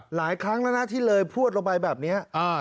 หลายครั้งแล้วนะที่เลยพวดลงไปแบบนี้